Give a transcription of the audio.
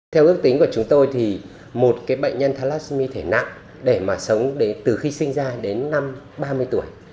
theo ước tính của chúng tôi thì một bệnh nhân thalassomy thể nặng để mà sống từ khi sinh ra đến năm ba mươi tuổi